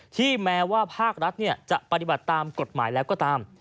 แม้ว่าภาครัฐจะปฏิบัติตามกฎหมายแล้วก็ตาม